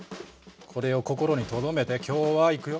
これを心に留めて今日はいくよ！